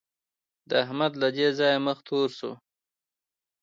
د احمد له دې ځايه مخ تور شو.